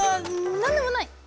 なんでもない！